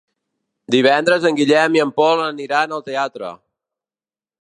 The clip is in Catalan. Divendres en Guillem i en Pol aniran al teatre.